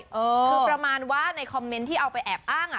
คือประมาณว่าในคอมเมนต์ที่เอาไปแอบอ้าง